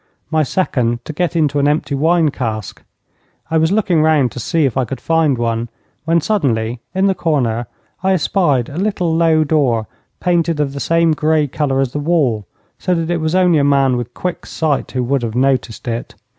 My second to get into an empty wine cask. I was looking round to see if I could find one, when suddenly, in the corner, I espied a little low door, painted of the same grey colour as the wall, so that it was only a man with quick sight who would have noticed it.